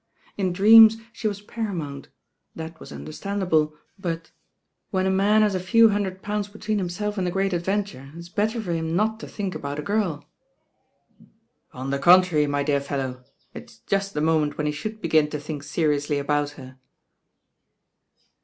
In dreams she was par amount, that was understandable, but —— "When a man has a few hundred pounds between himself and the Great Adventure, it's better for him not to think about a girl." "On the contrary, my dear fellow, it*s just the moment when he should begin to think seriously about her."